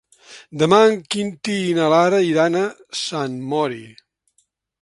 Demà en Quintí i na Lara iran a Sant Mori.